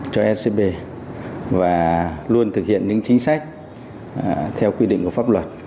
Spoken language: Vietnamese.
cho ecb và luôn thực hiện những chính sách theo quy định của pháp luật